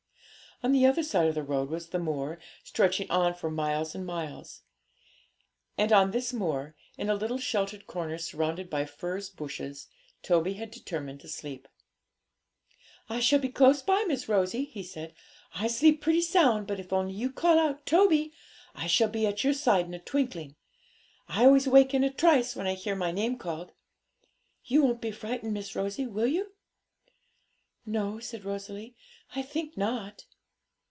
On the other side of the road was the moor, stretching on for miles and miles. And on this moor, in a little sheltered corner surrounded by furze bushes, Toby had determined to sleep. 'I shall be close by, Miss Rosie,' he said. 'I sleep pretty sound, but if only you call out "Toby," I shall be at your side in a twinkling; I always wake in a trice when I hear my name called. You won't be frightened, Miss Rosie, will you?' 'No,' said Rosalie; 'I think not.'